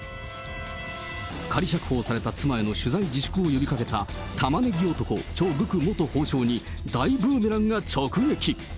仮釈放された妻への取材自粛を呼びかけた、タマネギ男、チョ・グク元法相に大ブーメランが直撃。